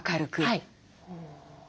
はい。